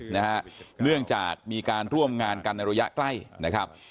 เนื่องจากมีการร่วมงานกันในระยะใกล้นะครับ